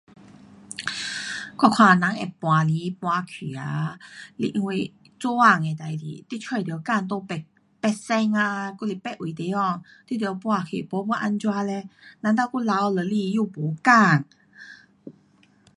我看人会搬来搬去啊，是因为做工的事情，你找到工在别，别省啊，还是别位地方，你得搬去，没要怎样嘞？难道要留下来，又没工。